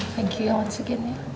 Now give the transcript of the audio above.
thank you once again ya